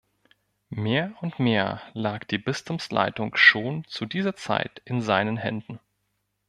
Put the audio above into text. Mehr und mehr lag die Bistumsleitung schon in dieser Zeit in seinen Händen.